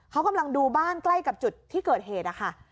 เขากำลังดูบ้านใกล้กับจุดที่เกิดเหตุนะคะ